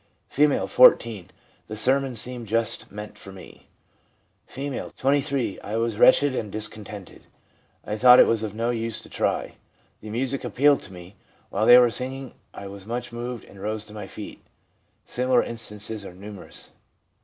F., 14. * The sermon seemed just meant for me.' F., 23. * I was wretched and dis contented ; I thought it was of no use to try. The music appealed to me. While they were singing I was much moved, and rose to my feet/ Similar instances are numerous.